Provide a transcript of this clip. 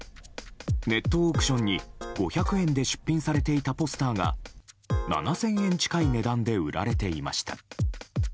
ネットオークションに５００円で出品されていたポスターが７０００円近い値段で売られていました。